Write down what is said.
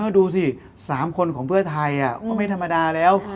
ดูสิ๓คนของเพื่อไทยก็ไม่ธรรมดาแล้ว